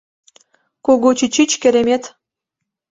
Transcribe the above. Кугу чӱчӱч — керемет...